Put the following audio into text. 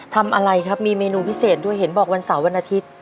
ทำอะไรครับมีเมนูพิเศษด้วยเห็นบอกวันเสาร์วันอาทิตย์